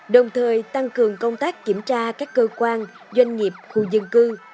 đồng thời tăng cường công tác kiểm tra các cơ quan doanh nghiệp khu dân cư